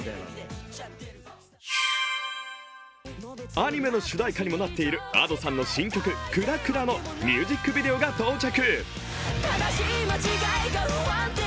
アニメの主題歌にもなっているＡｄｏさんの新曲、「クラクラ」のミュージックビデオが到着。